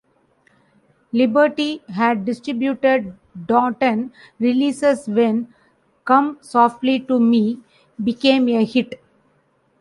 Liberty had distributed Dolton releases when "Come Softly To Me" became a hit.